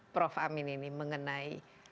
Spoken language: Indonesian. prof amin ini mengenai